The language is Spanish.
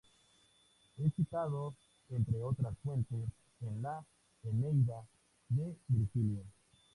Es citado, entre otras fuentes, en la "Eneida" de Virgilio.